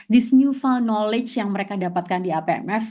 this newful knowledge yang mereka dapatkan di apmf